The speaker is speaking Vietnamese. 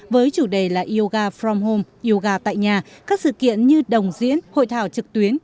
với chủ đề là yoga from home yoga tại nhà các sự kiện như đồng diễn hội thảo trực tuyến